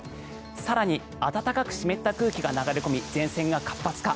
更に暖かく湿った空気が流れ込み前線が活発化。